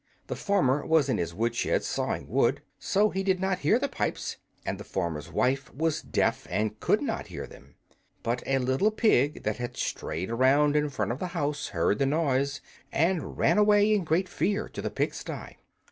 The farmer was in his woodshed, sawing wood, so he did not hear the pipes; and the farmer's wife was deaf, and could not hear them. But a little pig that had strayed around in front of the house heard the noise, and ran away in great fear to the pigsty.